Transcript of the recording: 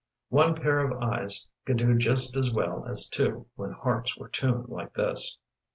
One pair of eyes could do just as well as two when hearts were tuned like this!